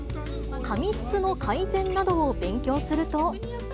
髪質の改善などを勉強すると。